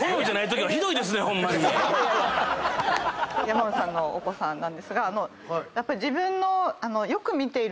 山内さんのお子さんなんですがやっぱり自分の。